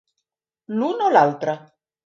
L'un o l'altre.